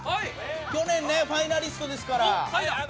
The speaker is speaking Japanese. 去年、ファイナリストですから。